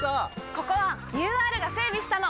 ここはＵＲが整備したの！